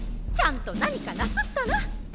ちゃんと何かなすったら？